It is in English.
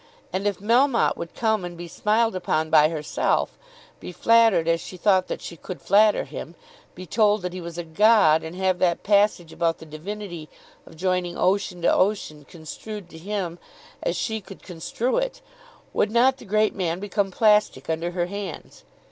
And if Melmotte would come and be smiled upon by herself, be flattered as she thought that she could flatter him, be told that he was a god, and have that passage about the divinity of joining ocean to ocean construed to him as she could construe it, would not the great man become plastic under her hands?